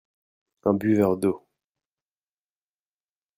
Un buveur d'eau.